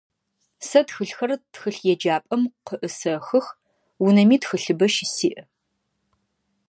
Сэ тхылъхэр тхылъеджапӏэм къыӏысэхых, унэми тхылъыбэ щысиӏ.